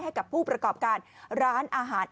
ให้กับผู้ประกอบการร้านอาหาร